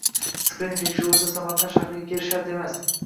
Skrining tekshiruvi uchun Samarqand shahriga kelish shart emasng